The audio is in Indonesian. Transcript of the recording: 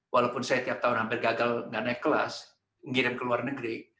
walaupun saya tiap tahun hampir gagal nggak naik kelas ngirim ke luar negeri